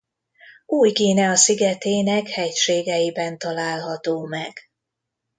Új-Guinea szigetének hegységeiben található meg.